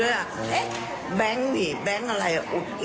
เฮ่ยแบงค์นี่แบงค์อะไรเหรอ